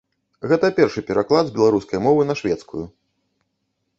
Гэта першы пераклад з беларускай мовы на шведскую.